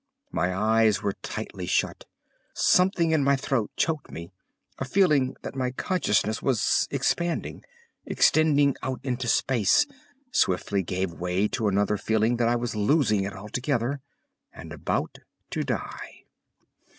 My eyes were tightly shut; something in my throat choked me; a feeling that my consciousness was expanding, extending out into space, swiftly gave way to another feeling that I was losing it altogether, and about to die.